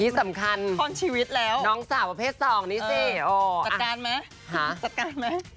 นี่สำคัญน้องสาวว่าเพศสองนี่สิอ๋ออะจัดการไหมจัดการไหม